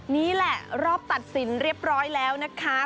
นี่แหละรอบตัดสินเรียบร้อยแล้วนะคะ